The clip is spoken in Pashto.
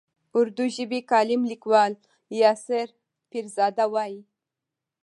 اردو ژبی کالم لیکوال یاسر پیرزاده وايي.